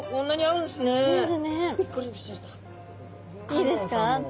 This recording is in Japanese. いいですか？